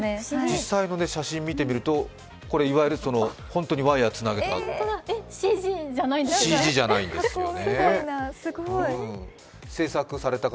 実際の写真を見てみると、これ本当にワイヤーをつなげたＣＧじゃないんですよね。